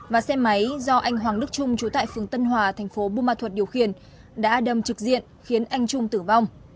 và xe máy do anh hoàng đức trung chú tại phường tân hòa tp bumathuot điều khiển đã đâm trực diện khiến anh trung tử vong